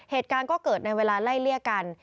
เหตุการณ์ก็เกิดในเวลาไล่เลี่ยกัน